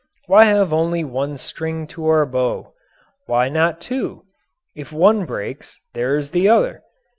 Why have only one string to our bow? Why not two? If one breaks, there is the other.